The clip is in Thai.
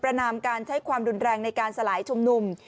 นามการใช้ความรุนแรงในการสลายชุมนุม